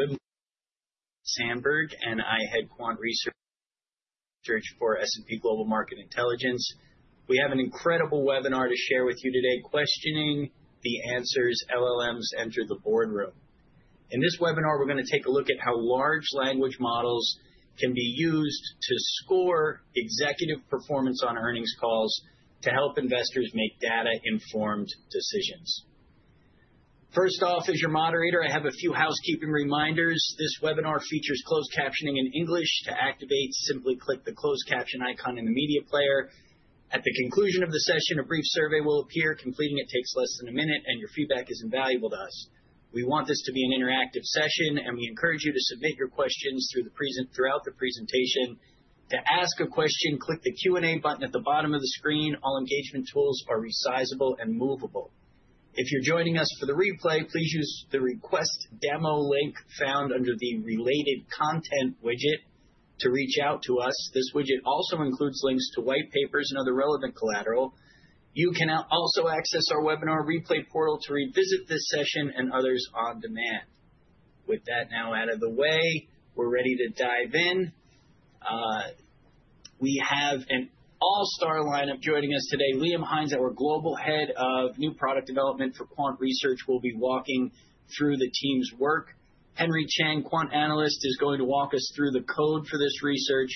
I'm Dan Sandberg, and I head Quant Research for S&P Global Market Intelligence. We have an incredible webinar to share with you today, Questioning the Answers: LLMs Enter the Boardroom. In this webinar, we're going to take a look at how large language models can be used to score executive performance on earnings calls to help investors make data-informed decisions. First off, as your moderator, I have a few housekeeping reminders. This webinar features closed captioning in english. To activate, simply click the closed caption icon in the media player. At the conclusion of the session, a brief survey will appear. Completing it takes less than a minute, and your feedback is invaluable to us. We want this to be an interactive session, and we encourage you to submit your questions throughout the presentation. To ask a question, click the Q&A button at the bottom of the screen. All engagement tools are resizable and movable. If you're joining us for the replay, please use the request demo link found under the related content widget to reach out to us. This widget also includes links to white papers and other relevant collateral. You can also access our webinar replay portal to revisit this session and others on demand. With that now out of the way, we're ready to dive in. We have an all-star lineup joining us today. Liam Hynes, our Global Head of New Product Development for Quant Research, will be walking through the team's work. Henry Chiang, Quant Analyst, is going to walk us through the code for this research.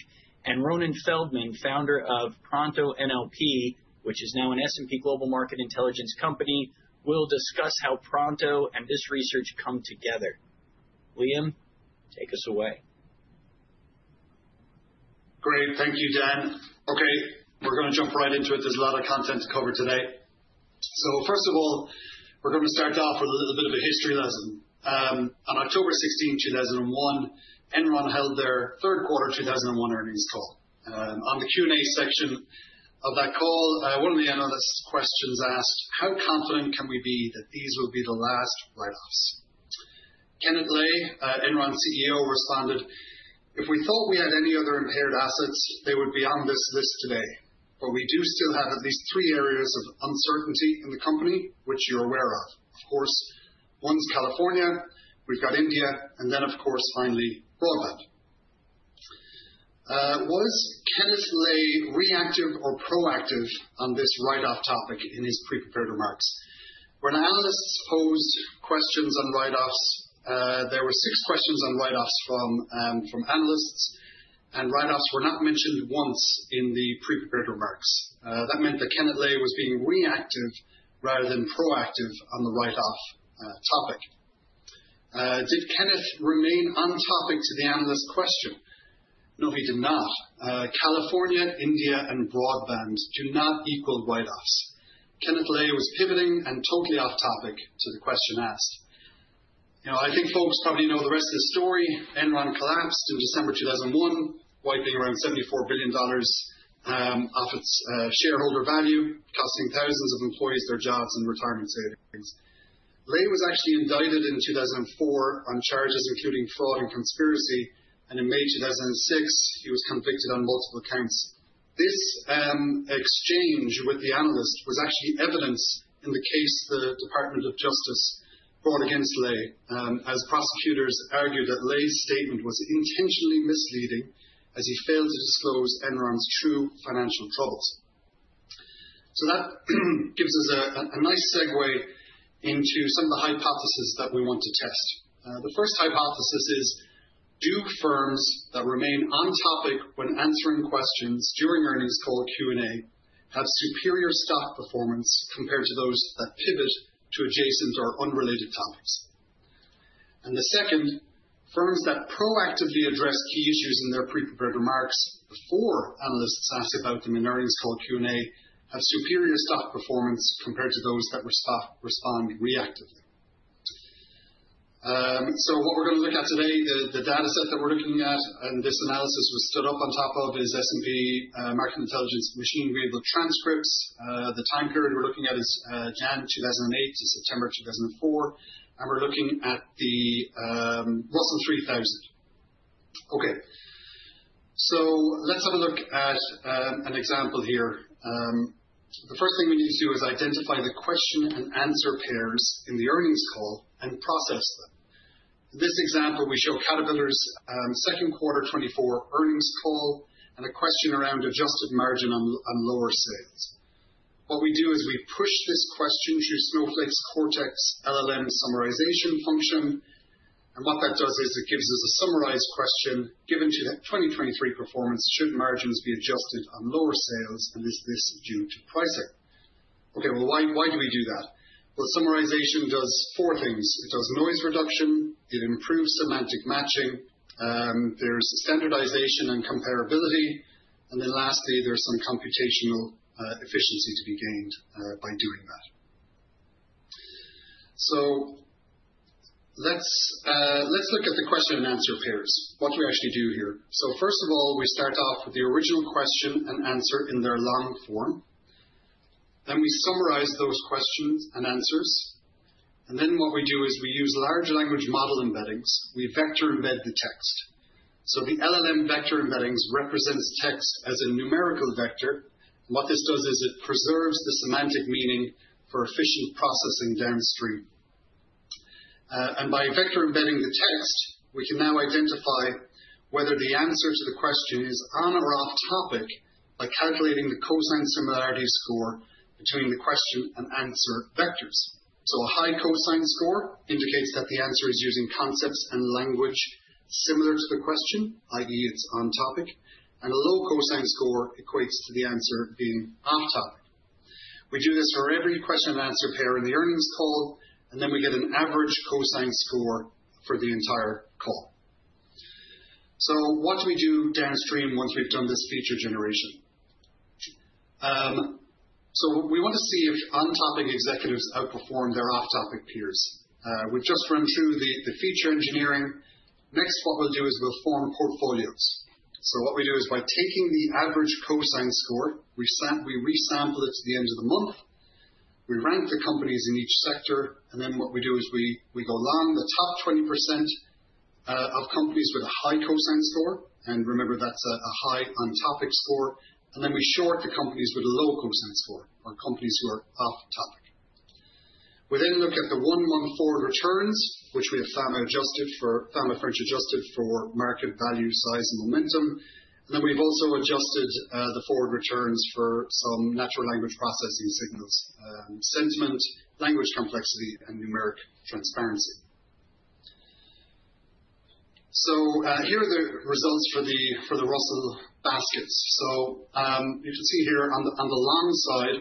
And Ronen Feldman, Founder of ProntoNLP, which is now an S&P Global Market Intelligence company, will discuss how Pronto and this research come together. Liam, take us away. Great. Thank you, Dan. Okay, we're going to jump right into it. There's a lot of content to cover today. So first of all, we're going to start off with a little bit of a history lesson. On October 16, 2001, Enron held their Q3 2001 earnings call. On the Q&A section of that call, one of the analyst questions asked, "How confident can we be that these will be the last write-offs?" Kenneth Lay, Enron CEO, responded, "If we thought we had any other impaired assets, they would be on this list today. But we do still have at least three areas of uncertainty in the company, which you're aware of. Of course, one's California. We've got India. And then, of course, finally, Broadband." Was Kenneth Lay reactive or proactive on this write-off-topic in his pre-prepared remarks? When analysts posed questions on write-offs, there were six questions on write-offs from analysts, and write-offs were not mentioned once in the pre-prepared remarks. That meant that Kenneth Lay was being reactive rather than proactive on the write-off-topic. Did Kenneth remain on-topic to the analyst question? No, he did not. California, India, and Broadband do not equal write-offs. Kenneth Lay was pivoting and totally off-topic to the question asked. I think folks probably know the rest of the story. Enron collapsed in December 2001, wiping around $74 billion off its shareholder value, costing thousands of employees their jobs and retirement savings. Lay was actually indicted in 2004 on charges including fraud and conspiracy and in May 2006, he was convicted on multiple counts. This exchange with the analyst was actually evidence in the case the Department of Justice brought against Lay, as prosecutors argued that Lay's statement was intentionally misleading as he failed to disclose Enron's true financial troubles. So that gives us a nice segue into some of the hypotheses that we want to test. The first hypothesis is, do firms that remain on-topic when answering questions during earnings call Q&A have superior stock performance compared to those that pivot to adjacent or unrelated topics? And the second, firms that proactively address key issues in their pre-prepared remarks before analysts ask about them in earnings call Q&A have superior stock performance compared to those that respond reactively. So what we're going to look at today, the data set that we're looking at and this analysis was stood up on top of is S&P Global Market Intelligence machine-readable transcripts. The time period we're looking at is January 2008 to September 2004, and we're looking at the Russell 3000. Okay. So let's have a look at an example here. The first thing we need to do is identify the question and answer pairs in the earnings call and process them. In this example, we show Caterpillar's 2Q 2024 earnings call and a question around adjusted margin on lower sales. What we do is we push this question through Snowflake's Cortex LLM summarization function. And what that does is it gives us a summarized question given to that 2023 performance. Should margins be adjusted on lower sales? And is this due to pricing? Okay, well, why do we do that? Well, summarization does four things. It does noise reduction. It improves semantic matching. There's standardization and comparability. And then lastly, there's some computational efficiency to be gained by doing that. So let's look at the question and answer pairs, what we actually do here. So first of all, we start off with the original question and answer in their long form. Then we summarize those questions and answers. And then what we do is we use large language model embeddings. We vector embed the text. So the LLM vector embeddings represents text as a numerical vector. What this does is it preserves the semantic meaning for efficient processing downstream. And by vector embedding the text, we can now identify whether the answer to the question is on or off-topic by calculating the cosine similarity score between the question and answer vectors. So a high cosine score indicates that the answer is using concepts and language similar to the question, i.e., it's on-topic. And a low cosine score equates to the answer being off-topic. We do this for every question and answer pair in the earnings call, and then we get an average cosine score for the entire call. What do we do downstream once we've done this feature generation? We want to see if on-topic executives outperform their off-topic peers. We've just run through the feature engineering. Next, what we'll do is we'll form portfolios. What we do is, by taking the average cosine score, we resample it to the end of the month. We rank the companies in each sector, and then what we do is we go long the top 20% of companies with a high cosine score. Remember, that's a high on-topic score, and then we short the companies with a low cosine score or companies who are off-topic. We then look at the one-month forward returns, which we have adjusted for market value, size, and momentum, and then we've also adjusted the forward returns for some natural language processing signals, sentiment, language complexity, and numeric transparency, so here are the results for the Russell baskets, so you can see here on the long side,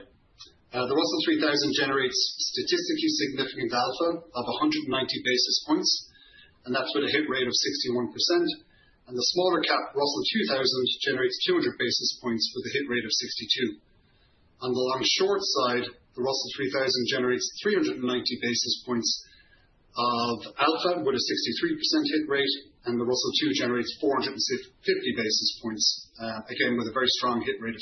the Russell 3000 generates statistically significant alpha of 190 basis points, and that's with a hit rate of 61%, and the smaller cap Russell 2000 generates 200 basis points with a hit rate of 62%, on the long short side, the Russell 3000 generates 390 basis points of alpha with a 63% hit rate, and the Russell 2 generates 450 basis points, again, with a very strong hit rate of 63%,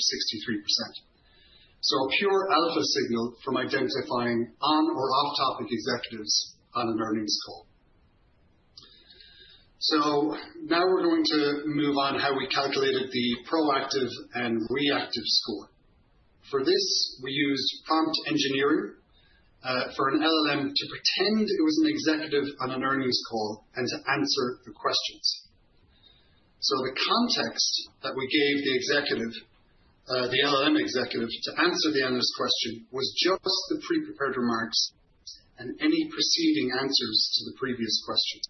so a pure alpha signal from identifying on or off-topic executives on an earnings call. So now we're going to move on to how we calculated the proactive and reactive score. For this, we used prompt engineering for an LLM to pretend it was an executive on an earnings call and to answer the questions. So the context that we gave the executive, the LLM executive, to answer the analyst question was just the pre-prepared remarks and any preceding answers to the previous questions.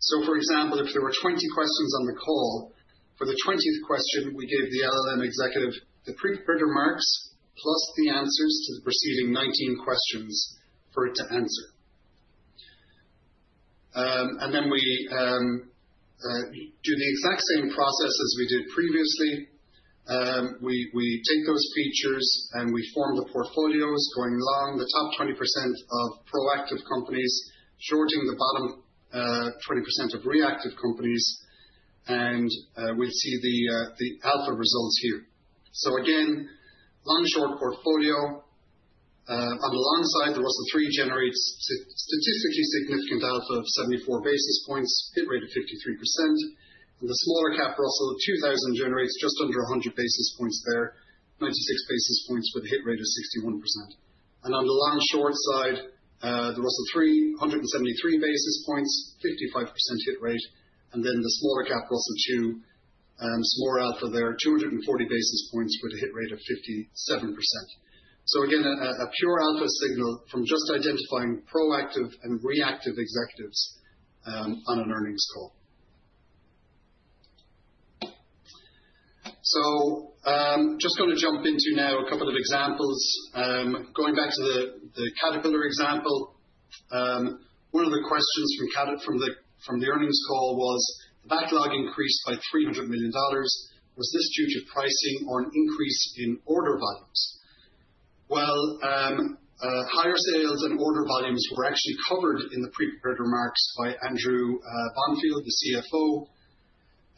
So for example, if there were 20 questions on the call, for the 20th question, we gave the LLM executive the pre-prepared remarks plus the answers to the preceding 19 questions for it to answer. And then we do the exact same process as we did previously. We take those features and we form the portfolios going along the top 20% of proactive companies, shorting the bottom 20% of reactive companies. And we'll see the alpha results here. So again, long short portfolio. On the long side, the Russell 3 generates statistically significant alpha of 74 basis points, hit rate of 53%. And the smaller cap Russell 2000 generates just under 100 basis points there, 96 basis points with a hit rate of 61%. And on the long short side, the Russell 3, 173 basis points, 55% hit rate. And then the smaller cap Russell 2, some more alpha there, 240 basis points with a hit rate of 57%. So again, a pure alpha signal from just identifying proactive and reactive executives on an earnings call. So I'm just going to jump into now a couple of examples. Going back to the Caterpillar example, one of the questions from the earnings call was, "The backlog increased by $300 million. Was this due to pricing or an increase in order volumes?" Well, higher sales and order volumes were actually covered in the pre-prepared remarks by Andrew Bonfield, the CFO.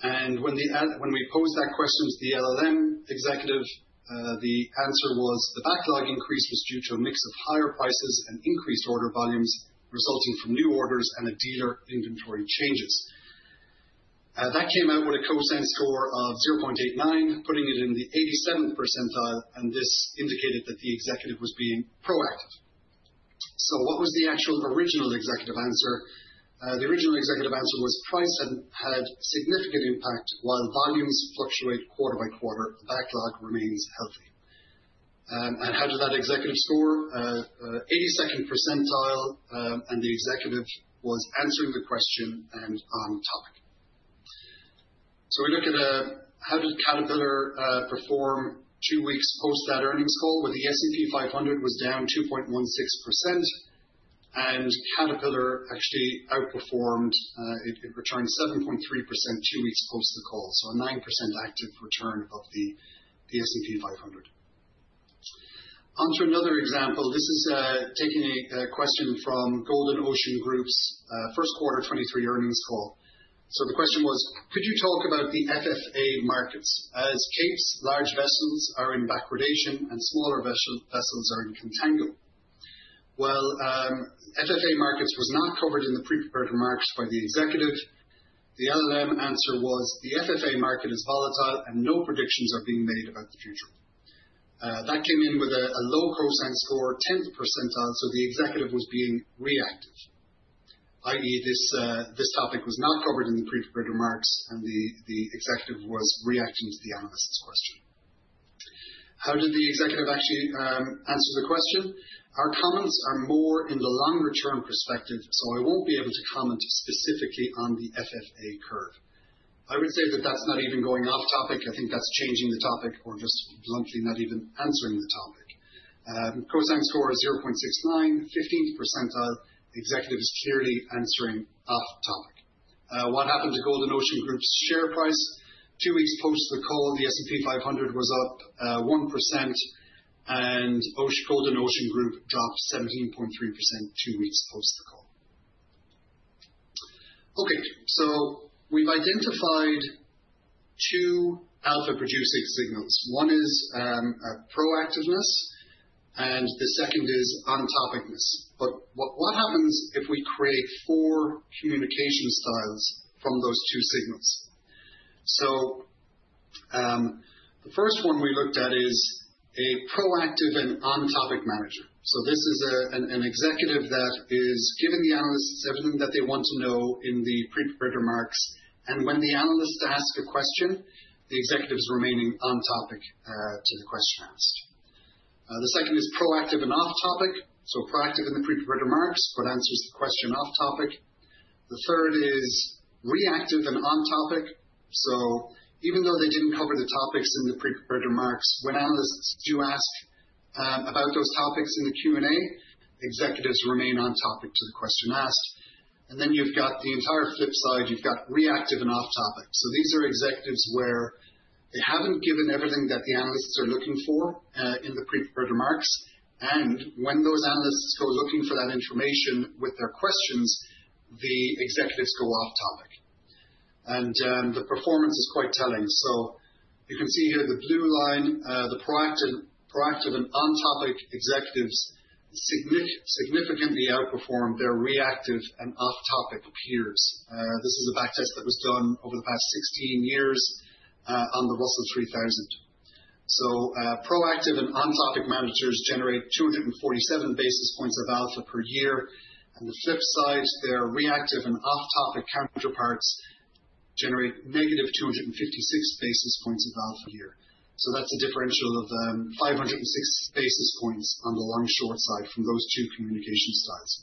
And when we posed that question to the LLM executive, the answer was, "The backlog increase was due to a mix of higher prices and increased order volumes resulting from new orders and a dealer inventory changes." That came out with a cosine score of 0.89, putting it in the 87th percentile. And this indicated that the executive was being proactive. So what was the actual original executive answer? The original executive answer was, "Price had significant impact while volumes fluctuate quarter-by-quarter. Backlog remains healthy." And how did that executive score? 82nd percentile. And the executive was answering the question and on-topic. So we look at how did Caterpillar perform two weeks post that earnings call when the S&P 500 was down 2.16%? And Caterpillar actually outperformed. It returned 7.3% two weeks post the call, so a 9% active return of the S&P 500. Onto another example. This is taking a question from Golden Ocean Group's Q1 2023 earnings call. So the question was, "Could you talk about the FFA markets as capes, large vessels are in backwardation and smaller vessels are in contango?" Well, FFA markets was not covered in the pre-prepared remarks by the executive. The LLM answer was, "The FFA market is volatile and no predictions are being made about the future." That came in with a low cosine score, 10th percentile. So the executive was being reactive, i.e., this topic was not covered in the pre-prepared remarks and the executive was reacting to the analyst's question. How did the executive actually answer the question? "Our comments are more in the longer-term perspective, so I won't be able to comment specifically on the FFA curve." I would say that that's not even going off-topic. I think that's changing the topic or just bluntly not even answering the topic. Cosine score is 0.69, 15th percentile. The executive is clearly answering off-topic. What happened to Golden Ocean Group's share price? Two weeks post the call, the S&P 500 was up 1% and Golden Ocean Group dropped 17.3% two weeks post the call. Okay. So we've identified two alpha-producing signals. One is proactiveness and the second is on-topicness. But what happens if we create four communication styles from those two signals? So the first one we looked at is a proactive and on-topic manager. So this is an executive that is giving the analysts everything that they want to know in the pre-prepared remarks. And when the analysts ask a question, the executive is remaining on-topic to the question asked. The second is proactive and off-topic. So proactive in the pre-prepared remarks, but answers the question off-topic. The third is reactive and on-topic. So even though they didn't cover the topics in the pre-prepared remarks, when analysts do ask about those topics in the Q&A, executives remain on-topic to the question asked. And then you've got the entire flip side. You've got reactive and off-topic. So these are executives where they haven't given everything that the analysts are looking for in the pre-prepared remarks. And when those analysts go looking for that information with their questions, the executives go off-topic. And the performance is quite telling. You can see here the blue line, the proactive and on-topic executives significantly outperform their reactive and off-topic peers. This is a backtest that was done over the past 16 years on the Russell 3000. Proactive and on-topic managers generate 247 basis points of alpha per year. The flip side, their reactive and off-topic counterparts generate negative 256 basis points of alpha a year. That's a differential of 506 basis points on the long short side from those two communication styles.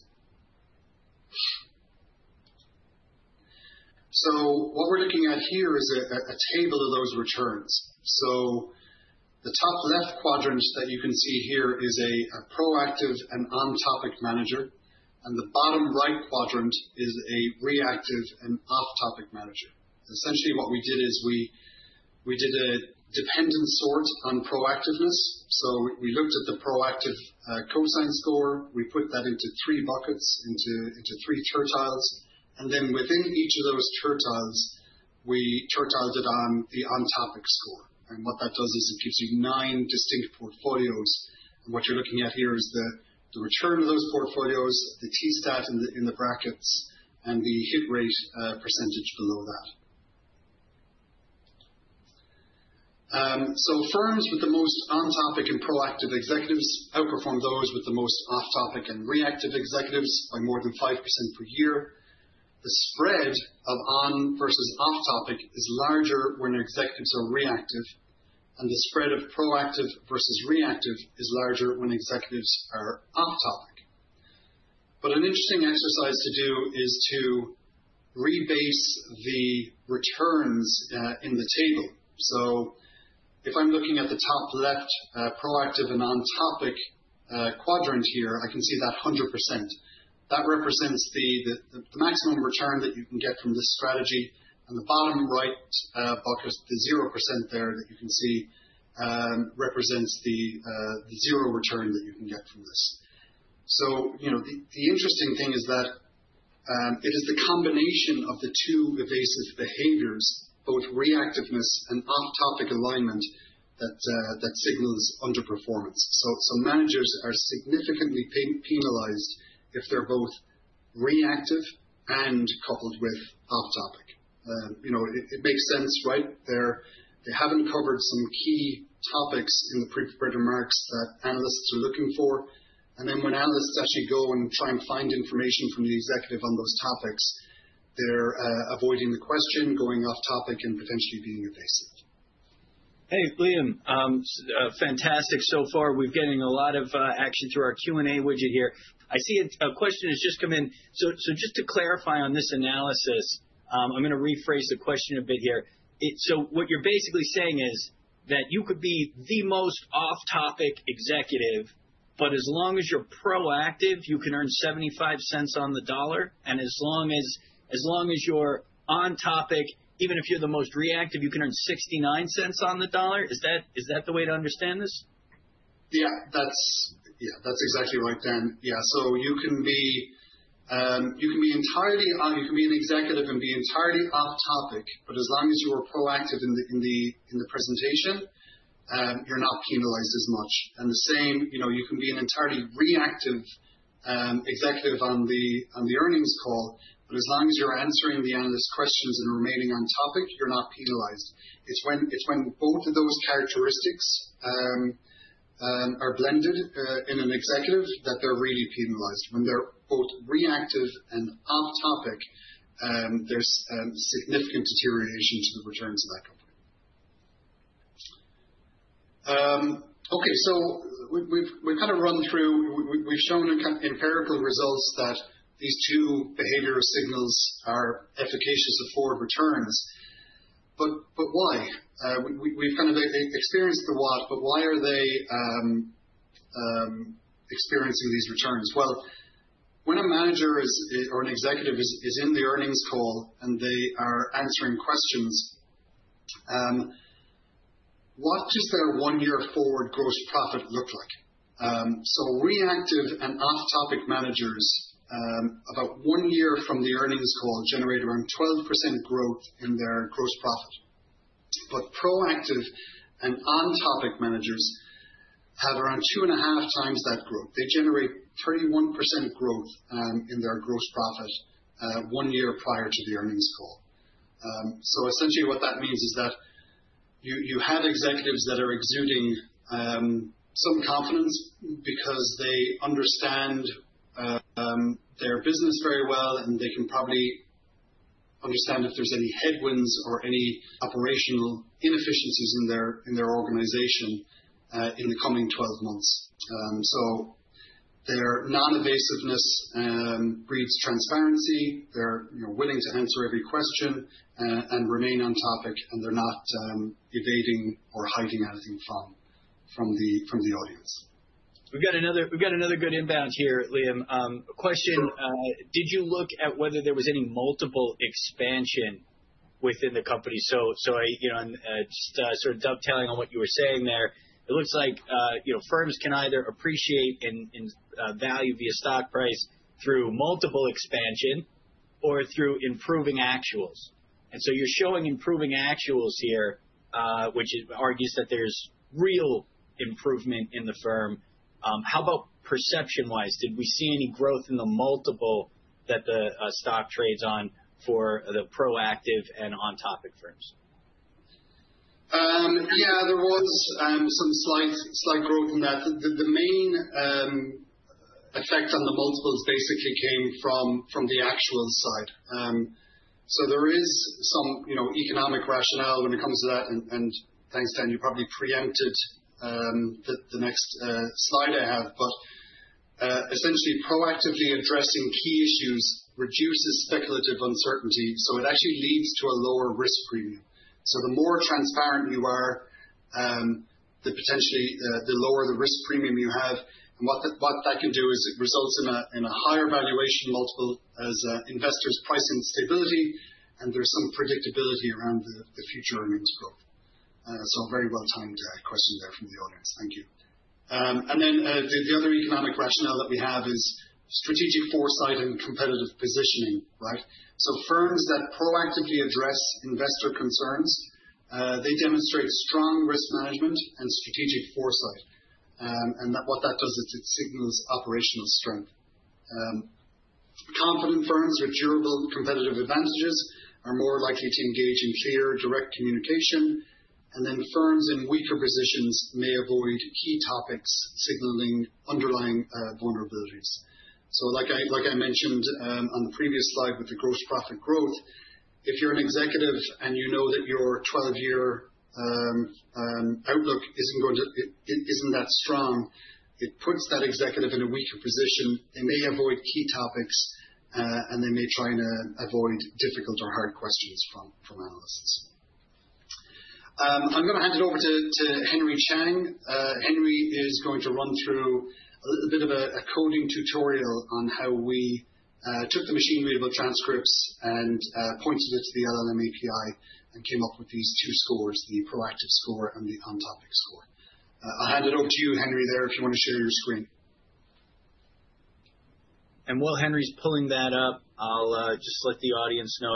What we're looking at here is a table of those returns. The top left quadrant that you can see here is a proactive and on-topic manager. The bottom right quadrant is a reactive and off-topic manager. Essentially, what we did is we did a dependent sort on proactiveness. We looked at the proactive cosine score. We put that into three buckets, into three tertiles. And then within each of those tertiles, we tertiled it on the on-topic score. And what that does is it gives you nine distinct portfolios. And what you're looking at here is the return of those portfolios, the t-stat in the brackets, and the hit rate percentage below that. So firms with the most on-topic and proactive executives outperform those with the most off-topic and reactive executives by more than 5% per year. The spread of on versus off-topic is larger when executives are reactive. And the spread of proactive versus reactive is larger when executives are off-topic. But an interesting exercise to do is to rebase the returns in the table. So if I'm looking at the top left proactive and on-topic quadrant here, I can see that 100%. That represents the maximum return that you can get from this strategy. And the bottom right bucket, the 0% there that you can see, represents the 0% return that you can get from this. So the interesting thing is that it is the combination of the two evasive behaviors, both reactiveness and off-topic alignment, that signals underperformance. So managers are significantly penalized if they're both reactive and coupled with off-topic. It makes sense, right? They haven't covered some key topics in the pre-prepared remarks that analysts are looking for. And then when analysts actually go and try and find information from the executive on those topics, they're avoiding the question, going off-topic, and potentially being evasive. Hey, Liam, fantastic so far. We're getting a lot of action through our Q&A widget here. I see a question has just come in. So just to clarify on this analysis, I'm going to rephrase the question a bit here. So what you're basically saying is that you could be the most off-topic executive, but as long as you're proactive, you can earn $0.75 on the dollar. And as long as you're on-topic, even if you're the most reactive, you can earn $0.69 cents on the dollar. Is that the way to understand this? Yeah. Yeah, that's exactly right, Dan. Yeah. So you can be an executive and be entirely off-topic. But as long as you are proactive in the presentation, you're not penalized as much. And the same, you can be an entirely reactive executive on the earnings call. But as long as you're answering the analyst questions and remaining on-topic, you're not penalized. It's when both of those characteristics are blended in an executive that they're really penalized. When they're both reactive and off-topic, there's significant deterioration to the returns of that company. Okay. So we've kind of run through, we've shown empirical results that these two behavioral signals are efficacious at forecasting returns. But why? We've kind of explained the what, but why are they experiencing these returns? When a manager or an executive is in the earnings call and they are answering questions, what does their one-year forward gross profit look like? Reactive and off-topic managers, about one year from the earnings call, generate around 12% growth in their gross profit. Proactive and on-topic managers have around 2.5x that growth. They generate 31% growth in their gross profit one year prior to the earnings call. Essentially, what that means is that you have executives that are exuding some confidence because they understand their business very well and they can probably understand if there's any headwinds or any operational inefficiencies in their organization in the coming 12 months. Their non-evasiveness breeds transparency. They're willing to answer every question and remain on-topic. They're not evading or hiding anything from the audience. We've got another good inbound here, Liam. Question, did you look at whether there was any multiple expansion within the company? So just sort of dovetailing on what you were saying there, it looks like firms can either appreciate and value via stock price through multiple expansion or through improving actuals. And so you're showing improving actuals here, which argues that there's real improvement in the firm. How about perception-wise? Did we see any growth in the multiple that the stock trades on for the proactive and on-topic firms? Yeah, there was some slight growth in that. The main effect on the multiples basically came from the actuals side. So there is some economic rationale when it comes to that, and thanks, Dan. You probably preempted the next slide I have, but essentially, proactively addressing key issues reduces speculative uncertainty, so it actually leads to a lower risk premium, so the more transparent you are, potentially the lower the risk premium you have, and what that can do is it results in a higher valuation multiple as investors price in stability, and there's some predictability around the future earnings growth, so a very well-timed question there from the audience. Thank you, and then the other economic rationale that we have is strategic foresight and competitive positioning, right? So firms that proactively address investor concerns, they demonstrate strong risk management and strategic foresight. And what that does is it signals operational strength. Confident firms with durable competitive advantages are more likely to engage in clear, direct communication. And then firms in weaker positions may avoid key topics signaling underlying vulnerabilities. So like I mentioned on the previous slide with the gross profit growth, if you're an executive and you know that your 12-year outlook isn't that strong, it puts that executive in a weaker position. They may avoid key topics, and they may try to avoid difficult or hard questions from analysts. I'm going to hand it over to Henry Chiang. Henry is going to run through a little bit of a coding tutorial on how we took the machine-readable transcripts and pointed it to the LLM API and came up with these two scores, the proactive score and the on-topic score. I'll hand it over to you, Henry, there if you want to share your screen. And while Henry's pulling that up, I'll just let the audience know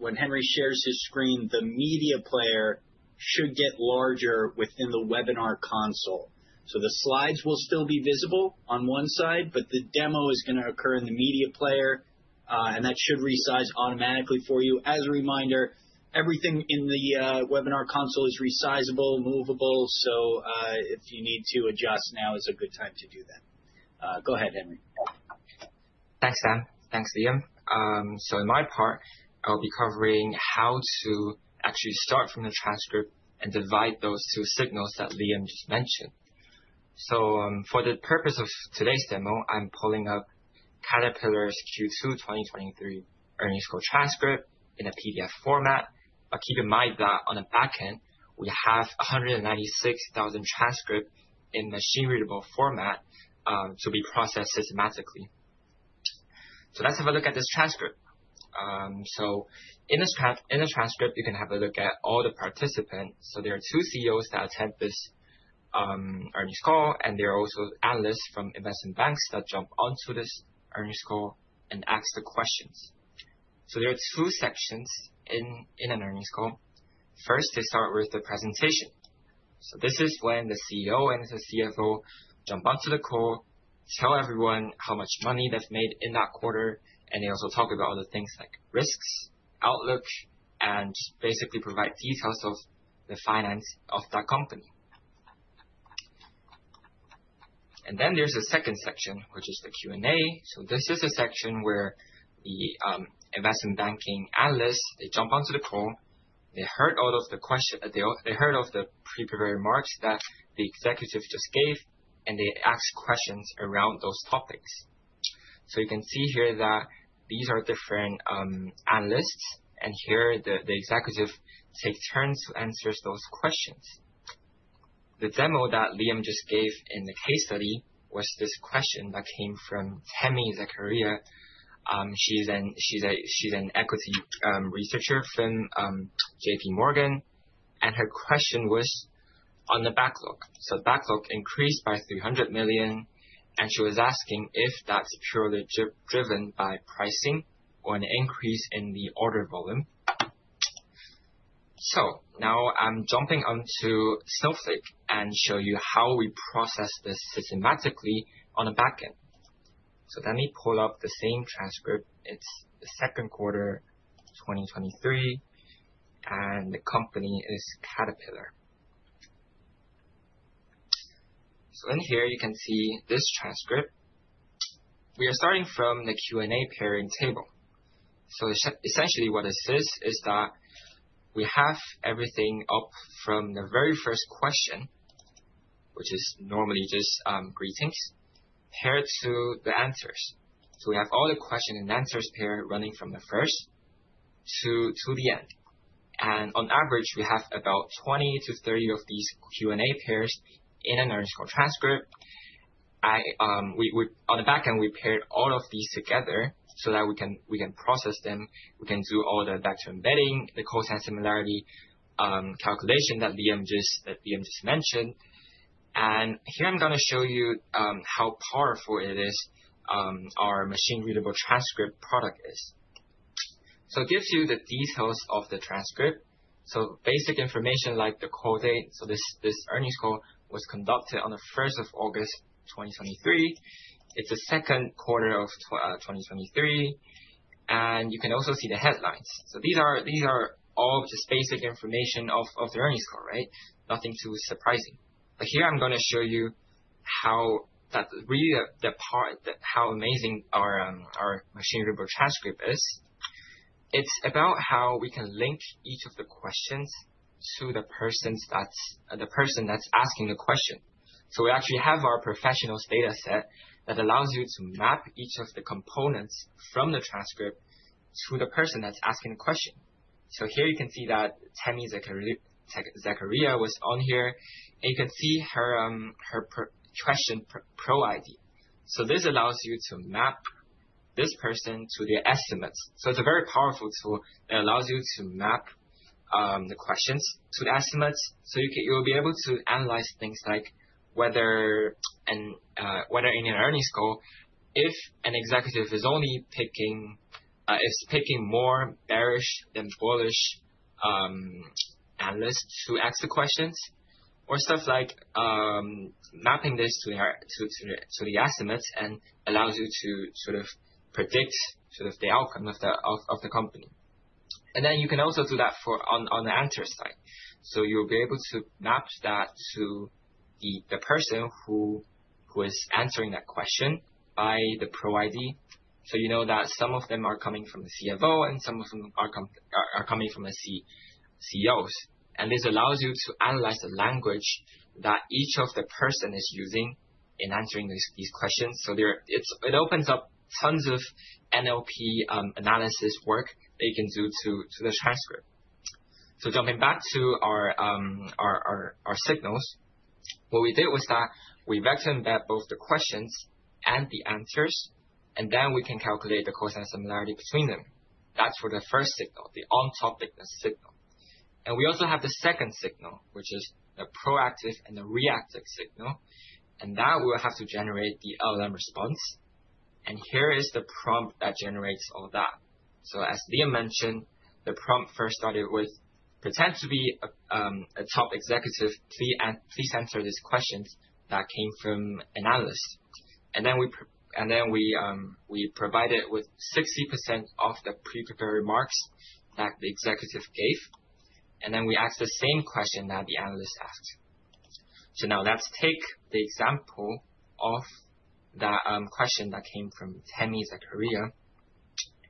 when Henry shares his screen, the media player should get larger within the webinar console. So the slides will still be visible on one side, but the demo is going to occur in the media player. And that should resize automatically for you. As a reminder, everything in the webinar console is resizable, movable. So if you need to adjust now, it's a good time to do that. Go ahead, Henry. Thanks, Dan. Thanks, Liam. So in my part, I'll be covering how to actually start from the transcript and divide those two signals that Liam just mentioned. So for the purpose of today's demo, I'm pulling up Caterpillar's Q2 2023 earnings call transcript in a PDF format. But keep in mind that on the back end, we have 196,000 transcripts in machine-readable format to be processed systematically. So let's have a look at this transcript. So in the transcript, you can have a look at all the participants. So there are two CEOs that attend this earnings call. And there are also analysts from investment banks that jump onto this earnings call and ask the questions. So there are two sections in an earnings call. First, they start with the presentation. So this is when the CEO and the CFO jump onto the call, tell everyone how much money they've made in that quarter. And they also talk about other things like risks, outlook, and basically provide details of the finance of that company. And then there's a second section, which is the Q&A. So this is a section where the investment banking analysts, they jump onto the call. They heard all of the pre-prepared remarks that the executive just gave. And they ask questions around those topics. So you can see here that these are different analysts. And here, the executive takes turns to answer those questions. The demo that Liam just gave in the case study was this question that came from Tami Zakaria. She's an Equity Researcher from JPMorgan. And her question was on the backlog. So backlog increased by $300 million. She was asking if that's purely driven by pricing or an increase in the order volume. So now I'm jumping onto Snowflake and show you how we process this systematically on the back end. So let me pull up the same transcript. It's the second quarter 2023. The company is Caterpillar. So in here, you can see this transcript. We are starting from the Q&A pairing table. So essentially, what this is, is that we have everything up from the very first question, which is normally just greetings, paired to the answers. So we have all the question and answers pair running from the first to the end. And on average, we have about 20 to 30 of these Q&A pairs in an earnings call transcript. On the back end, we paired all of these together so that we can process them. We can do all the vector embedding, the cosine similarity calculation that Liam just mentioned, and here, I'm going to show you how powerful our machine-readable transcript product is, so it gives you the details of the transcript, so basic information like the call date, so this earnings call was conducted on the 1st of August 2023. It's the second quarter of 2023, and you can also see the headlines, so these are all just basic information of the earnings call, right? Nothing too surprising, but here, I'm going to show you really how amazing our machine-readable transcript is, it's about how we can link each of the questions to the person that's asking the question, so we actually have our professionals' data set that allows you to map each of the components from the transcript to the person that's asking the question. So here, you can see that Tami Zakaria was on here. And you can see her question ProID. So this allows you to map this person to the estimates. So it's a very powerful tool that allows you to map the questions to the estimates. So you'll be able to analyze things like whether in an earnings call, if an executive is picking more bearish than bullish analysts who ask the questions, or stuff like mapping this to the estimates and allows you to sort of predict sort of the outcome of the company. And then you can also do that on the answer side. So you'll be able to map that to the person who is answering that question by the ProID. So you know that some of them are coming from the CFO and some of them are coming from the CEOs. And this allows you to analyze the language that each of the person is using in answering these questions. So it opens up tons of NLP analysis work that you can do to the transcript. So jumping back to our signals, what we did was that we vector embedded both the questions and the answers. And then we can calculate the cosine similarity between them. That's for the first signal, the on-topic signal. And we also have the second signal, which is the proactive and the reactive signal. And that will have to generate the LLM response. And here is the prompt that generates all that. So as Liam mentioned, the prompt first started with, "Pretend to be a top executive. Please answer these questions that came from analysts." And then we provided with 60% of the pre-prepared remarks that the executive gave. And then we asked the same question that the analysts asked. So now let's take the example of that question that came from Tami Zakaria.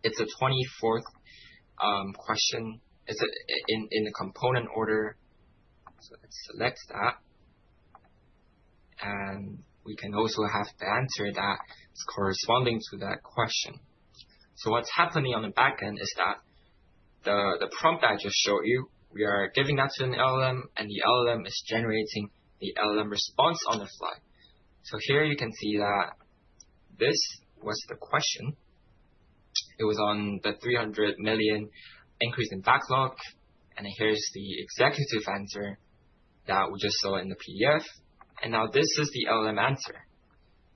It's the 24th question in the component order. So let's select that. And we can also have the answer that's corresponding to that question. So what's happening on the back end is that the prompt that I just showed you, we are giving that to an LLM, and the LLM is generating the LLM response on the fly. So here you can see that this was the question. It was on the $300 million increase in backlog. And here's the executive answer that we just saw in the PDF. And now this is the LLM answer.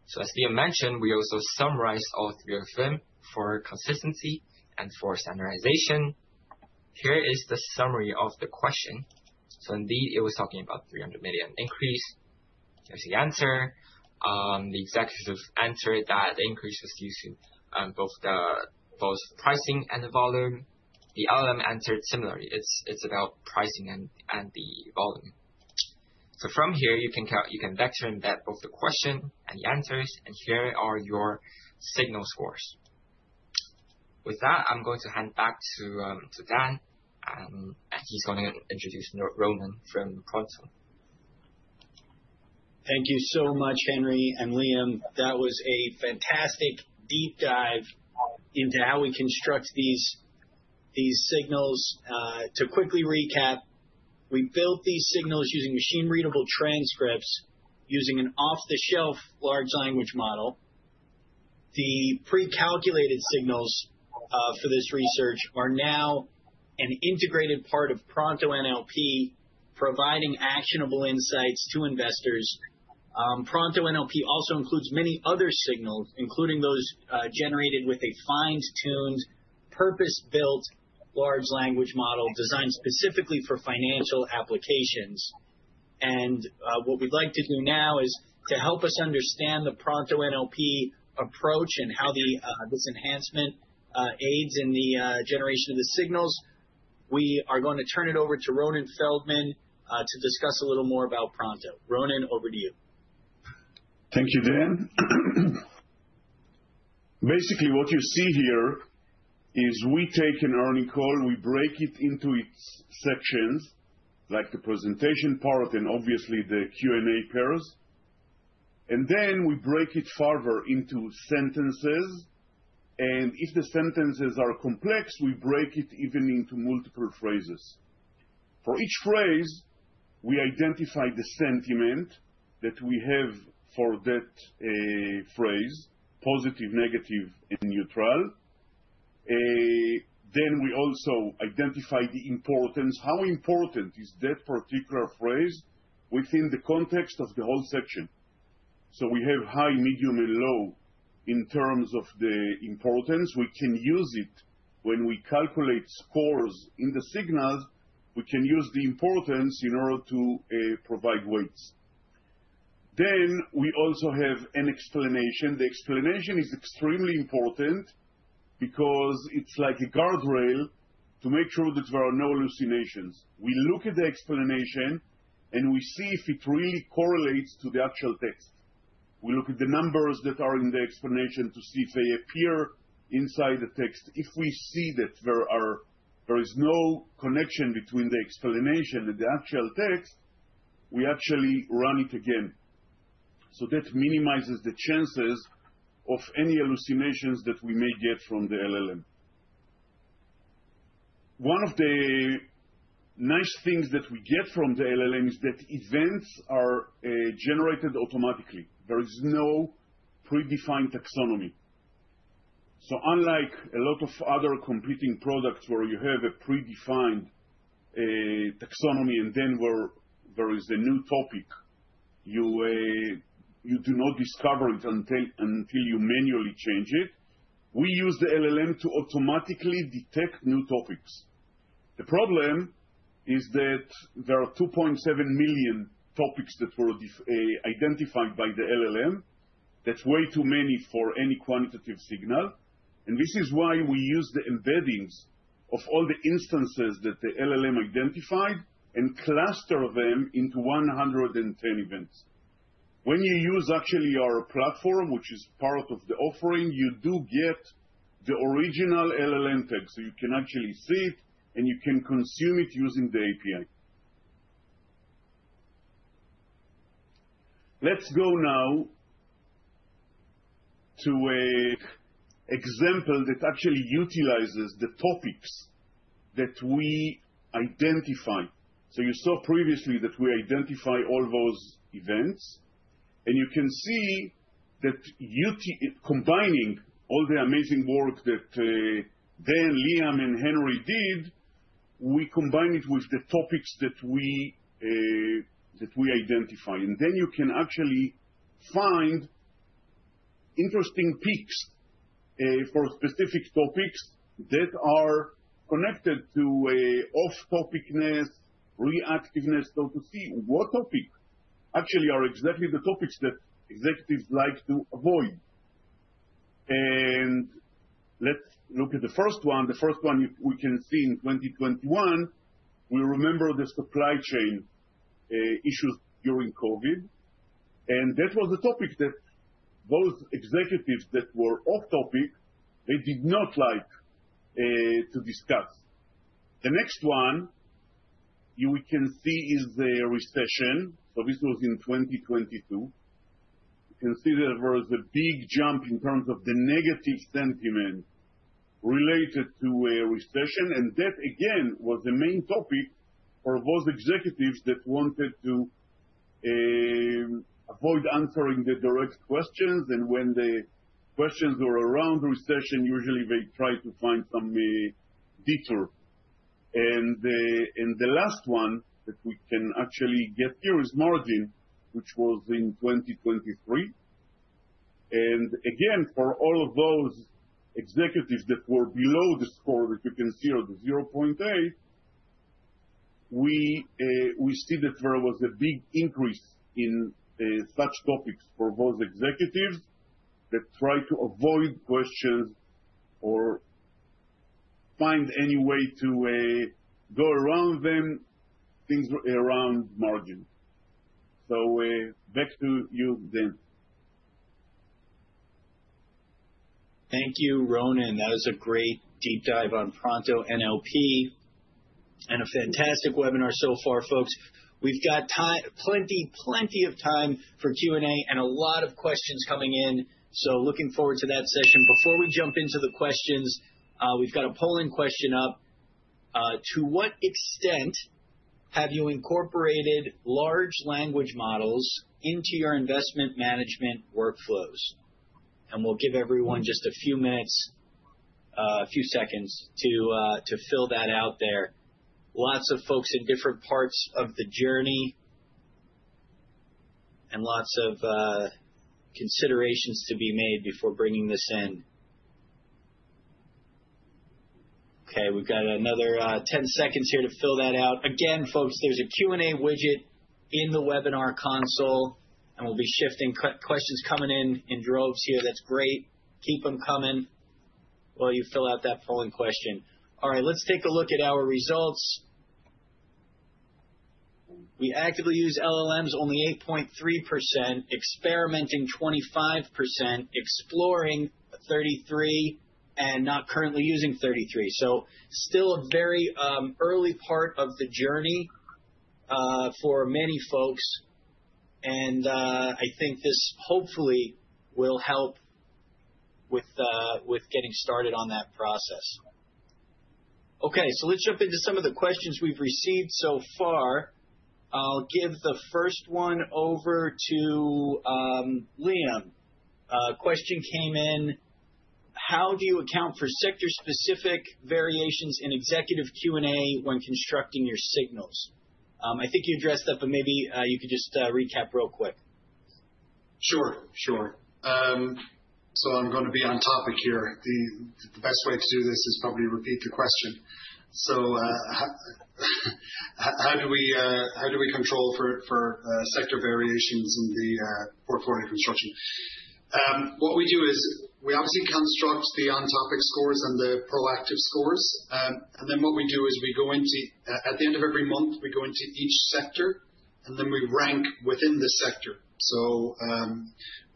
So as Liam mentioned, we also summarized all three of them for consistency and for standardization. Here is the summary of the question. So indeed, it was talking about $300 million increase. Here's the answer. The executive answered that the increase was due to both pricing and the volume. The LLM answered similarly. It's about pricing and the volume. So from here, you can vector embed both the question and the answers. And here are your signal scores. With that, I'm going to hand back to Dan. And he's going to introduce Ronen from Pronto. Thank you so much, Henry and Liam. That was a fantastic deep dive into how we construct these signals. To quickly recap, we built these signals using machine-readable transcripts using an off-the-shelf large language model. The pre-calculated signals for this research are now an integrated part of ProntoNLP, providing actionable insights to investors. ProntoNLP also includes many other signals, including those generated with a fine-tuned, purpose-built large language model designed specifically for financial applications, and what we'd like to do now is to help us understand the ProntoNLP approach and how this enhancement aids in the generation of the signals. We are going to turn it over to Ronen Feldman to discuss a little more about Pronto. Ronen, over to you. Thank you, Dan. Basically, what you see here is we take an earnings call. We break it into its sections, like the presentation part and obviously the Q&A pairs. And then we break it further into sentences. And if the sentences are complex, we break it even into multiple phrases. For each phrase, we identify the sentiment that we have for that phrase, positive, negative, and neutral. Then we also identify the importance, how important is that particular phrase within the context of the whole section. So we have high, medium, and low in terms of the importance. We can use it when we calculate scores in the signals. We can use the importance in order to provide weights. Then we also have an explanation. The explanation is extremely important because it's like a guardrail to make sure that there are no hallucinations. We look at the explanation, and we see if it really correlates to the actual text. We look at the numbers that are in the explanation to see if they appear inside the text. If we see that there is no connection between the explanation and the actual text, we actually run it again, so that minimizes the chances of any hallucinations that we may get from the LLM. One of the nice things that we get from the LLM is that events are generated automatically. There is no predefined taxonomy, so unlike a lot of other competing products where you have a predefined taxonomy and then where there is a new topic, you do not discover it until you manually change it. We use the LLM to automatically detect new topics. The problem is that there are 2.7 million topics that were identified by the LLM. That's way too many for any quantitative signal. And this is why we use the embeddings of all the instances that the LLM identified and cluster them into 110 events. When you use actually our platform, which is part of the offering, you do get the original LLM text. So you can actually see it, and you can consume it using the API. Let's go now to an example that actually utilizes the topics that we identify. So you saw previously that we identify all those events. And you can see that combining all the amazing work that Dan, Liam, and Henry did, we combine it with the topics that we identify. And then you can actually find interesting peaks for specific topics that are connected to off-topicness, reactiveness, so to see what topics actually are exactly the topics that executives like to avoid. And let's look at the first one. The first one we can see in 2021, we remember the supply chain issues during COVID. And that was a topic that those executives that were off-topic, they did not like to discuss. The next one we can see is a recession. So this was in 2022. You can see there was a big jump in terms of the negative sentiment related to a recession. And that, again, was the main topic for those executives that wanted to avoid answering the direct questions. And when the questions were around recession, usually they tried to find some detour. And the last one that we can actually get here is margin, which was in 2023. And again, for all of those executives that were below the score that you can see at 0.8, we see that there was a big increase in such topics for those executives that tried to avoid questions or find any way to go around them, things around margin. So back to you, Dan. Thank you, Ronen. That is a great deep dive on ProntoNLP and a fantastic webinar so far, folks. We've got plenty of time for Q&A and a lot of questions coming in. So looking forward to that session. Before we jump into the questions, we've got a polling question up. To what extent have you incorporated large language models into your investment management workflows? And we'll give everyone just a few minutes, a few seconds to fill that out there. Lots of folks in different parts of the journey and lots of considerations to be made before bringing this in. Okay, we've got another 10 seconds here to fill that out. Again, folks, there's a Q&A widget in the webinar console. And we'll be fielding questions coming in in droves here. That's great. Keep them coming while you fill out that polling question. All right, let's take a look at our results. We actively use LLMs only 8.3%, experimenting 25%, exploring 33%, and not currently using 33%. So still a very early part of the journey for many folks. And I think this hopefully will help with getting started on that process. Okay, so let's jump into some of the questions we've received so far. I'll give the first one over to Liam. A question came in. How do you account for sector-specific variations in executive Q&A when constructing your signals? I think you addressed that, but maybe you could just recap real quick. Sure, sure. So I'm going to be on-topic here. The best way to do this is probably to repeat the question, so how do we control for sector variations in the portfolio construction? What we do is we obviously construct the on-topic scores and the proactive scores, and then what we do is we go into at the end of every month, we go into each sector, and then we rank within the sector. So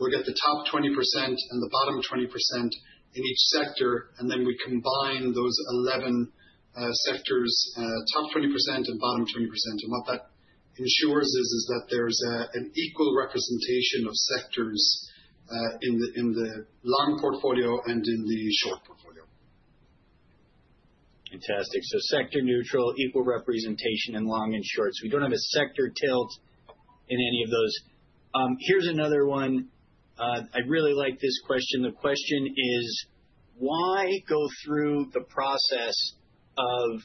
we'll get the top 20% and the bottom 20% in each sector, and then we combine those 11 sectors, top 20% and bottom 20%, and what that ensures is that there's an equal representation of sectors in the long portfolio and in the short portfolio. Fantastic. So sector neutral, equal representation in long and short. So we don't have a sector tilt in any of those. Here's another one. I really like this question. The question is, why go through the process of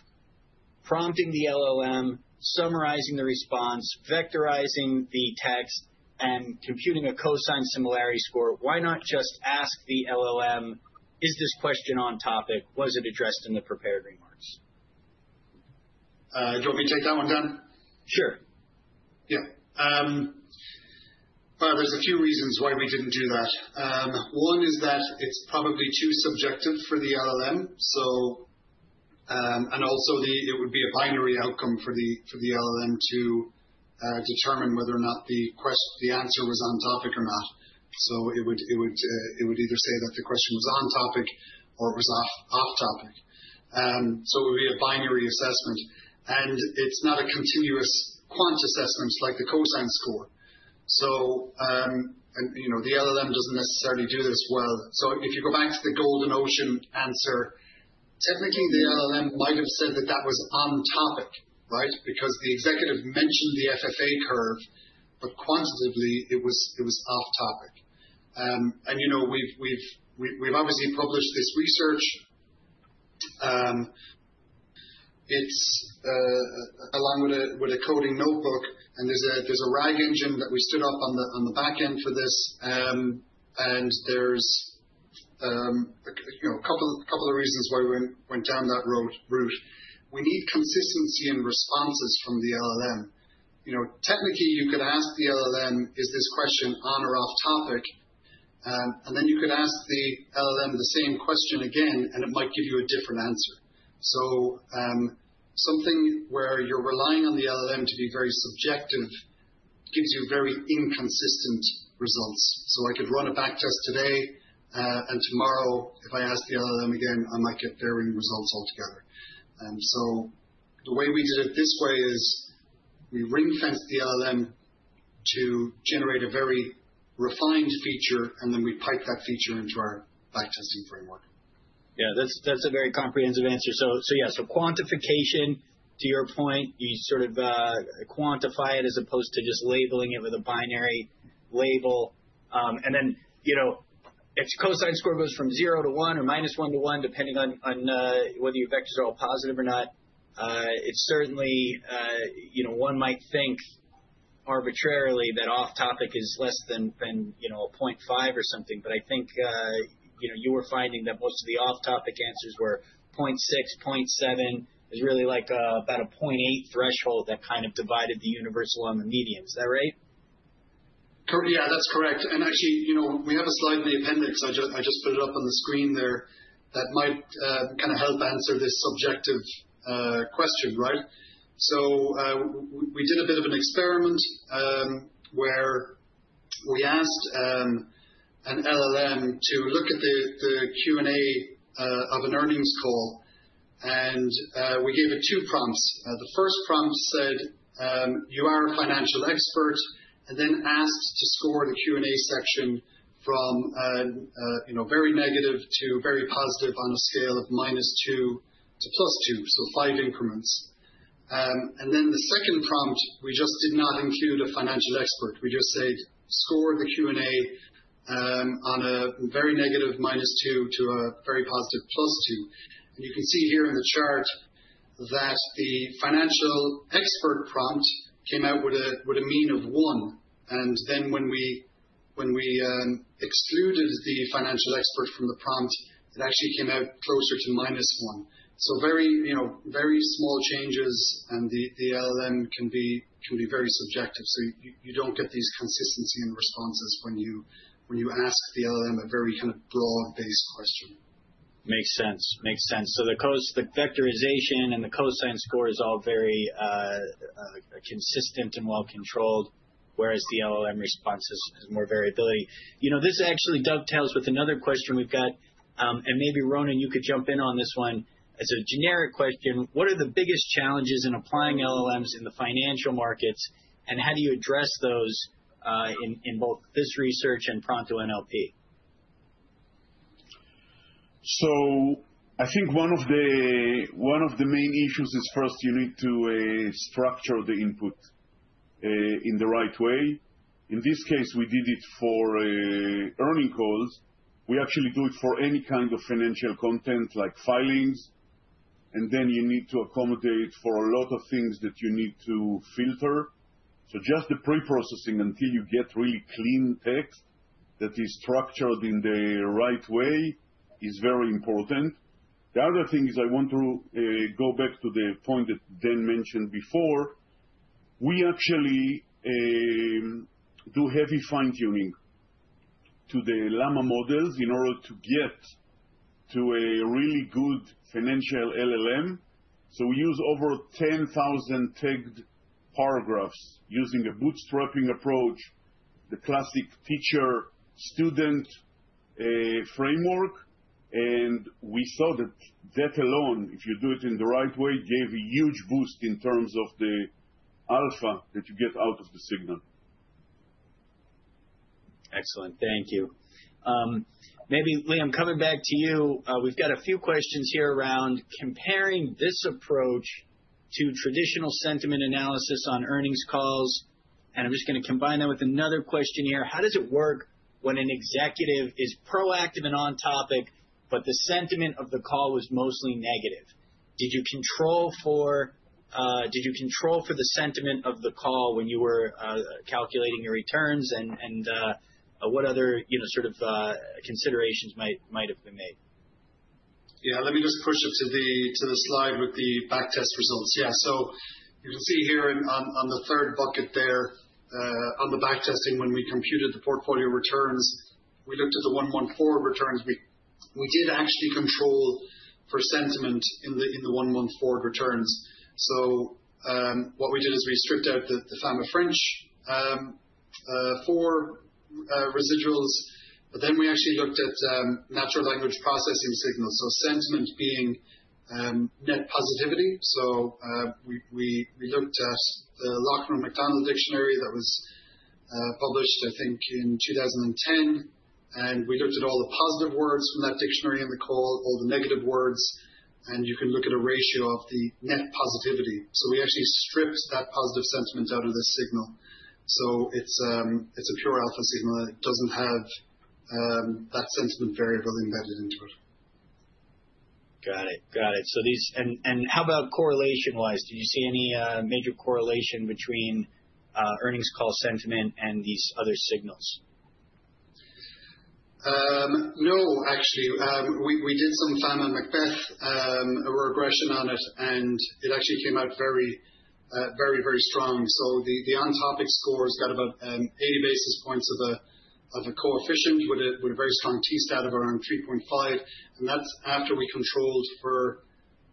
prompting the LLM, summarizing the response, vectorizing the text, and computing a cosine similarity score? Why not just ask the LLM, "Is this question on-topic? Was it addressed in the prepared remarks? Do you want me to take that one, Dan? Sure. Yeah. Well, there's a few reasons why we didn't do that. One is that it's probably too subjective for the LLM. And also, it would be a binary outcome for the LLM to determine whether or not the answer was on-topic or not. So it would either say that the question was on-topic or it was off-topic. So it would be a binary assessment. And it's not a continuous quant assessment like the cosine score. And the LLM doesn't necessarily do this well. So if you go back to the Golden Ocean answer, technically, the LLM might have said that that was on-topic, right? Because the executive mentioned the FFA curve, but quantitatively, it was off-topic. And we've obviously published this research. It's along with a coding notebook. And there's a RAG engine that we stood up on the back end for this. There's a couple of reasons why we went down that route. We need consistency in responses from the LLM. Technically, you could ask the LLM, "Is this question on or off-topic?" Then you could ask the LLM the same question again, and it might give you a different answer. Something where you're relying on the LLM to be very subjective gives you very inconsistent results. I could run a backtest today, and tomorrow, if I ask the LLM again, I might get varying results altogether. The way we did it this way is we ring-fenced the LLM to generate a very refined feature, and then we pipe that feature into our backtesting framework. Yeah, that's a very comprehensive answer, so yeah, so quantification, to your point, you sort of quantify it as opposed to just labeling it with a binary label, and then if the cosine score goes from 0 to 1 or -1 to 1, depending on whether your vectors are all positive or not, it's certain, one might think arbitrarily that off-topic is less than 0.5 or something, but I think you were finding that most of the off-topic answers were 0.6, 0.7. It was really like about a 0.8 threshold that kind of divided the universe along the median. Is that right? Yeah, that's correct. And actually, we have a slide in the appendix. I just put it up on the screen there that might kind of help answer this subjective question, right? So we did a bit of an experiment where we asked an LLM to look at the Q&A of an earnings call. And we gave it two prompts. The first prompt said, "You are a financial expert," and then asked to score the Q&A section from very negative to very positive on a scale of -2 to +2, so five increments. And then the second prompt, we just did not include a financial expert. We just said, "Score the Q&A on a very negative -2 to a very positive +2." And you can see here in the chart that the financial expert prompt came out with a mean of one. And then when we excluded the financial expert from the prompt, it actually came out closer to minus one. So very small changes, and the LLM can be very subjective. So you don't get this consistency in responses when you ask the LLM a very kind of broad-based question. Makes sense. Makes sense. So the vectorization and the cosine score is all very consistent and well-controlled, whereas the LLM response has more variability. This actually dovetails with another question we've got. And maybe, Ronen, you could jump in on this one as a generic question. What are the biggest challenges in applying LLMs in the financial markets, and how do you address those in both this research and ProntoNLP? So I think one of the main issues is first you need to structure the input in the right way. In this case, we did it for earnings calls. We actually do it for any kind of financial content like filings. And then you need to accommodate for a lot of things that you need to filter. So just the pre-processing until you get really clean text that is structured in the right way is very important. The other thing is I want to go back to the point that Dan mentioned before. We actually do heavy fine-tuning to the Llama models in order to get to a really good financial LLM. So we use over 10,000 tagged paragraphs using a bootstrapping approach, the classic teacher-student framework. We saw that that alone, if you do it in the right way, gave a huge boost in terms of the alpha that you get out of the signal. Excellent. Thank you. Maybe, Liam, coming back to you, we've got a few questions here around comparing this approach to traditional sentiment analysis on earnings calls. And I'm just going to combine that with another question here. How does it work when an executive is proactive and on-topic, but the sentiment of the call was mostly negative? Did you control for the sentiment of the call when you were calculating your returns? And what other sort of considerations might have been made? Yeah, let me just push it to the slide with the backtest results. Yeah, so you can see here on the third bucket there, on the backtesting, when we computed the portfolio returns, we looked at the 114 returns. We did actually control for sentiment in the 114 returns. So what we did is we stripped out the Fama-French four residuals. But then we actually looked at natural language processing signals, so sentiment being net positivity. So we looked at the Loughran-McDonald dictionary that was published, I think, in 2010. And we looked at all the positive words from that dictionary in the call, all the negative words. And you can look at a ratio of the net positivity. So we actually stripped that positive sentiment out of the signal. So it's a pure alpha signal. It doesn't have that sentiment variable embedded into it. Got it. Got it. And how about correlation-wise? Did you see any major correlation between earnings call sentiment and these other signals? No, actually. We did some Fama-MacBeth regression on it, and it actually came out very, very, very strong. So the on-topic score has got about 80 basis points of a coefficient with a very strong t-stat of around 3.5. And that's after we controlled for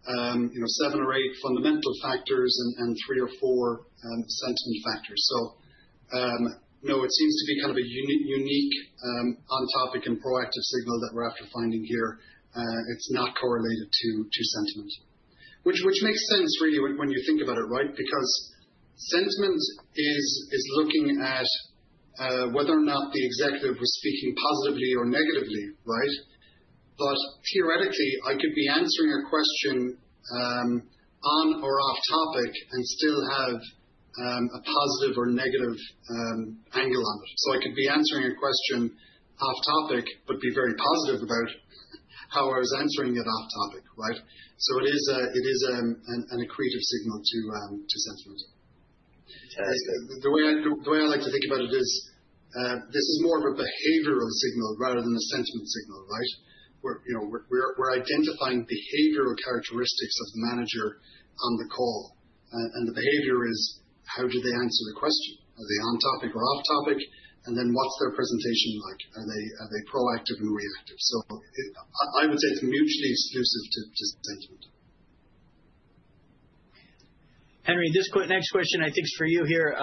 seven or eight fundamental factors and three or four sentiment factors. So no, it seems to be kind of a unique on-topic and proactive signal that we're after finding here. It's not correlated to sentiment, which makes sense really when you think about it, right? Because sentiment is looking at whether or not the executive was speaking positively or negatively, right? But theoretically, I could be answering a question on or off-topic and still have a positive or negative angle on it. So I could be answering a question off-topic but be very positive about how I was answering it off-topic, right? So it is an accretive signal to sentiment. Fantastic. The way I like to think about it is this is more of a behavioral signal rather than a sentiment signal, right? We're identifying behavioral characteristics of the manager on the call, and the behavior is how did they answer the question? Are they on-topic or off-topic, and then what's their presentation like? Are they proactive and reactive, so I would say it's mutually exclusive to sentiment. Henry, this next question, I think, is for you here.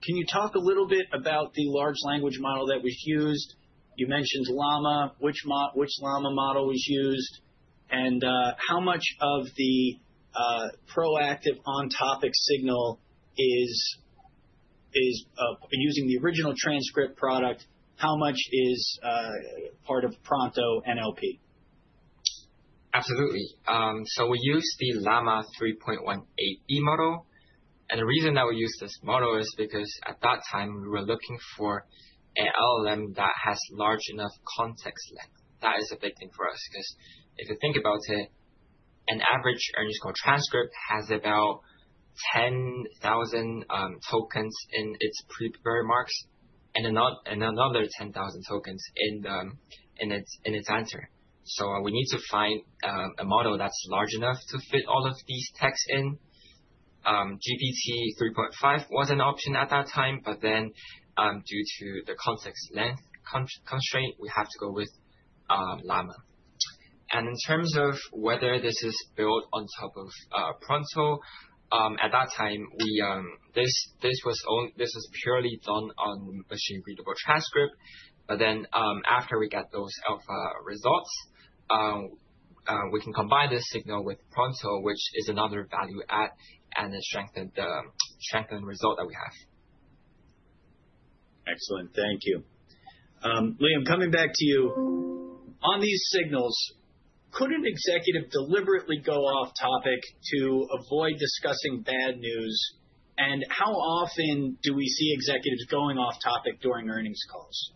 Can you talk a little bit about the large language model that was used? You mentioned Llama. Which Llama model was used? And how much of the proactive on-topic signal is using the original transcript product? How much is part of ProntoNLP? Absolutely. So we used the Llama 3.1-8B model. And the reason that we used this model is because at that time, we were looking for an LLM that has large enough context length. That is a big thing for us because if you think about it, an average earnings call transcript has about 10,000 tokens in its prepared remarks and another 10,000 tokens in its answer. So we need to find a model that's large enough to fit all of these texts in. GPT-3.5 was an option at that time, but then due to the context length constraint, we have to go with Llama. And in terms of whether this is built on top of Pronto, at that time, this was purely done on machine-readable transcript. But then after we got those alpha results, we can combine this signal with Pronto, which is another value-add and strengthen the result that we have. Excellent. Thank you. Liam, coming back to you. On these signals, could an executive deliberately go off-topic to avoid discussing bad news? And how often do we see executives going off-topic during earnings calls?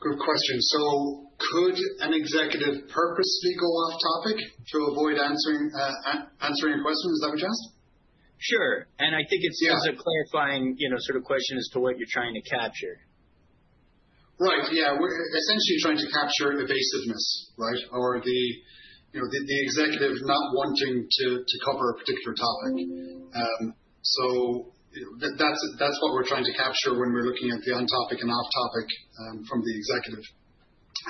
Good question. So could an executive purposely go off-topic to avoid answering a question? Is that what you asked? Sure, and I think it's a clarifying sort of question as to what you're trying to capture. Right. Yeah. Essentially, you're trying to capture evasiveness, right? Or the executive not wanting to cover a particular topic. So that's what we're trying to capture when we're looking at the on-topic and off-topic from the executive.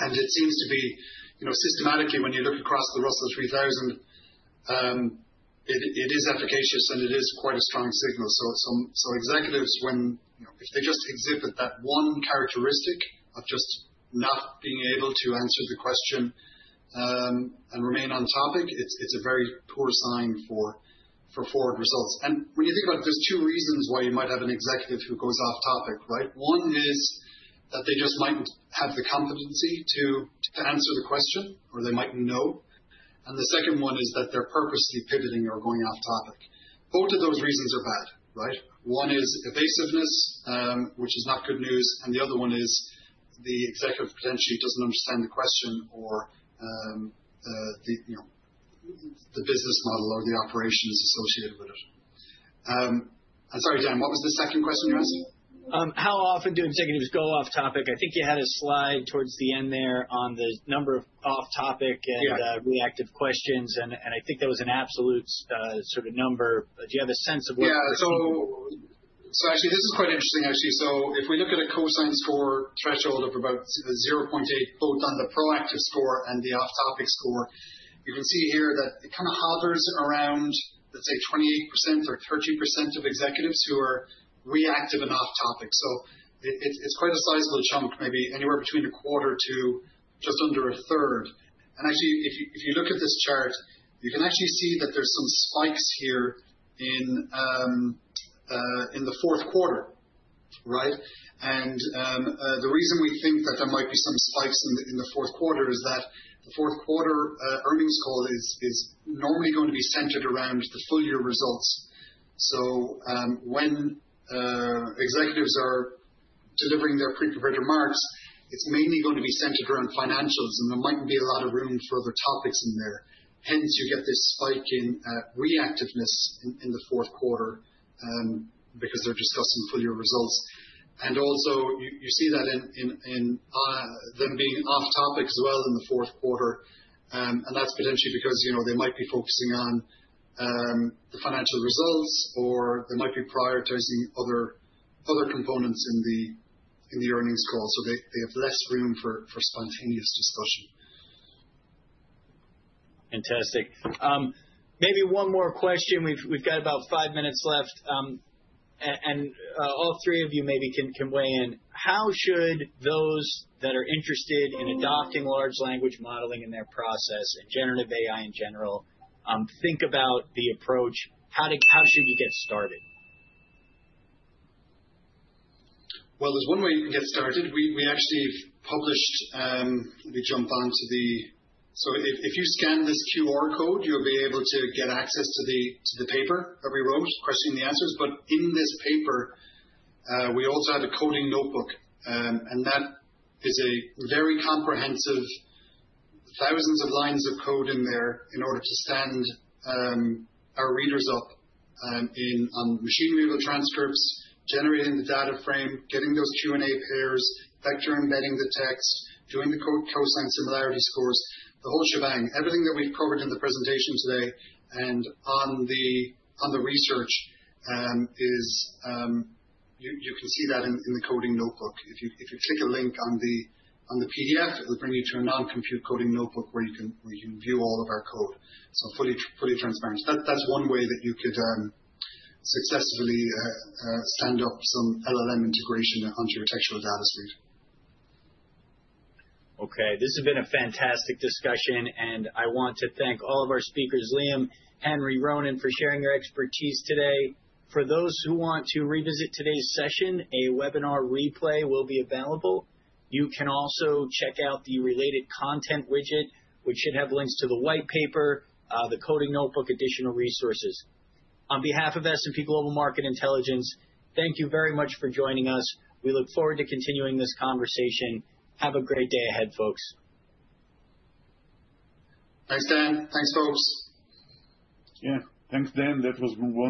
And it seems to be systematically, when you look across the Russell 3000, it is efficacious, and it is quite a strong signal. So executives, if they just exhibit that one characteristic of just not being able to answer the question and remain on-topic, it's a very poor sign for forward results. And when you think about it, there's two reasons why you might have an executive who goes off-topic, right? One is that they just might have the competency to answer the question, or they might know. And the second one is that they're purposely pivoting or going off-topic. Both of those reasons are bad, right? One is evasiveness, which is not good news. And the other one is the executive potentially doesn't understand the question or the business model or the operations associated with it. And sorry, Dan, what was the second question you asked? How often do executives go off-topic? I think you had a slide towards the end there on the number of off-topic and reactive questions. And I think that was an absolute sort of number. Do you have a sense of what? Yeah. So actually, this is quite interesting, actually. So if we look at a cosine score threshold of about 0.8, both on the proactive score and the off-topic score, you can see here that it kind of hovers around, let's say, 28% or 30% of executives who are reactive and off-topic. So it's quite a sizable chunk, maybe anywhere between a 1/4 to just under a 1/3. And actually, if you look at this chart, you can actually see that there's some spikes here in the fourth quarter, right? And the reason we think that there might be some spikes in the fourth quarter is that the fourth quarter earnings call is normally going to be centered around the full-year results. So when executives are delivering their pre-prepared remarks, it's mainly going to be centered around financials, and there might be a lot of room for other topics in there. Hence, you get this spike in reactiveness in the fourth quarter because they're discussing full-year results. And also, you see that in them being off-topic as well in the fourth quarter. And that's potentially because they might be focusing on the financial results, or they might be prioritizing other components in the earnings call. So they have less room for spontaneous discussion. Fantastic. Maybe one more question. We've got about five minutes left, and all three of you maybe can weigh in. How should those that are interested in adopting large language modeling in their process and generative AI in general think about the approach? How should you get started? There's one way you can get started. We actually published. Let me jump onto the. So if you scan this QR code, you'll be able to get access to the paper that we wrote, Questioning the Answers. But in this paper, we also have a coding notebook. And that is a very comprehensive, thousands of lines of code in there in order to stand our readers up on machine-readable transcripts, generating the data frame, getting those Q&A pairs, vector embedding the text, doing the cosine similarity scores, the whole shebang. Everything that we've covered in the presentation today and on the research is. You can see that in the coding notebook. If you click a link on the PDF, it'll bring you to a non-compute coding notebook where you can view all of our code. So fully transparent. That's one way that you could successfully stand up some LLM integration onto your textual data suite. Okay. This has been a fantastic discussion. And I want to thank all of our speakers, Liam, Henry, Ronen, for sharing your expertise today. For those who want to revisit today's session, a webinar replay will be available. You can also check out the related content widget, which should have links to the white paper, the coding notebook, additional resources. On behalf of S&P Global Market Intelligence, thank you very much for joining us. We look forward to continuing this conversation. Have a great day ahead, folks. Thanks, Dan. Thanks, folks. Yeah. Thanks, Dan. That was.